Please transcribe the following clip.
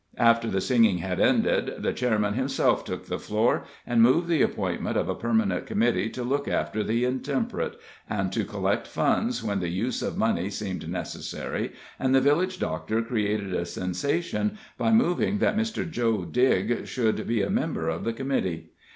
After the singing had ended, the Chairman himself took the floor and moved the appointment of a permanent committee to look after the intemperate, and to collect funds when the use of money seemed necessary, and the village doctor created a sensation by moving that Mr. Joe Digg should be a member of the committee.